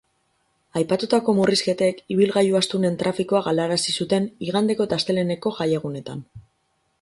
Aipatutako murrizketek ibilgailu astunen trafikoa galarazi zuten igandeko eta asteleheneko jaiegunetan.